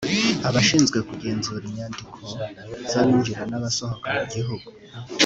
Abashinzwe kugenzura inyandiko z’abinjira n’abasohoka mu gihugu